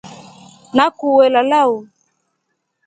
Nakuue lala uu.